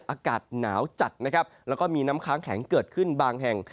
เหมือนว่าคลิเศษอากาศหนาวจัดแล้วก็มีน้ำค้างแข็งเกิดขึ้นบางแห่ง